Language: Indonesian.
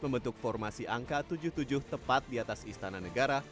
membentuk formasi angka tujuh puluh tujuh tepat di atas istana negara